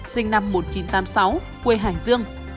sinh năm một nghìn chín trăm tám mươi sáu quê hải dương